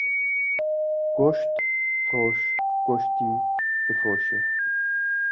Goşt firoş, goştî difiroşe